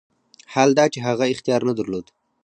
حال دا چې هغه اختیار نه درلود.